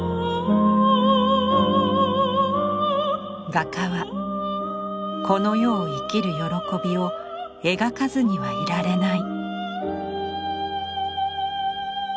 画家はこの世を生きる喜びを描かずにはいられない。